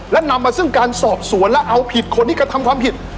และนำมาซึ่งการสอบสวนและเอาผิดคนที่กระทำความผิด